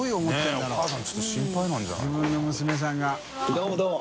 どうもどうも。